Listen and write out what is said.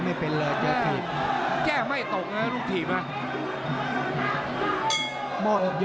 ไม่เป็นเลยแจกไม่ตกลูกถีบ